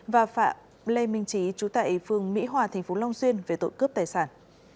và phạm lê minh trí trú tại phương mỹ hòa tp long duyên về tội cướp tài sản